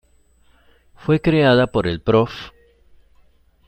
Fue creada por el Prof.